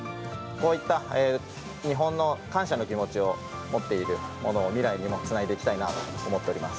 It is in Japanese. こういった日本の感謝の気持ちを持っているものを未来にもつないでいきたいなと思っております。